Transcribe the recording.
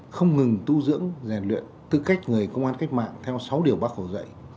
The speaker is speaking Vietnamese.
không ngừng tu dưỡng rèn luyện tư cách người công an cách mạng theo sáu điều bác hồ dạy